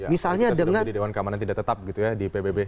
kita sudah menjadi dewan keamanan tidak tetap gitu ya di pbb